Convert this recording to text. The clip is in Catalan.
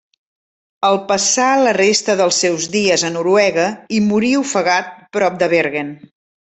El passà la resta dels seus dies a Noruega i morí ofegat prop de Bergen.